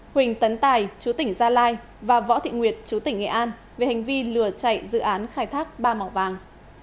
huỳnh tấn tài chú tỉnh gia lai và võ thị nguyệt chú tỉnh nghệ an về hành vi lừa chạy dự án khai thác ba mỏ vàng